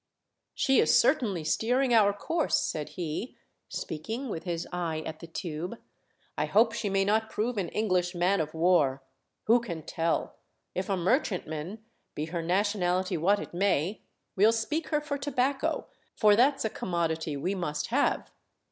" She is certainly steering our course," said he, speaking with his eye at the tube ; "I hope she may not prove an English man of war. Who can tell ? If a merchantman, be her nationality what it may, we'll speak her for tobacco, for that's a commodity we must have."